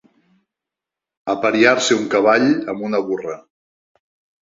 Apariar-se un cavall amb una burra.